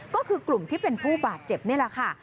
ก็คือกลุ่มที่เป็นผู้บาดเจ็บนี่แหละค่ะ